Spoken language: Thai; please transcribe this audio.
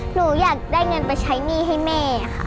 หนูอยากได้เงินไปใช้หนี้ให้แม่ค่ะ